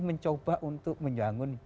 mencoba untuk menyanggung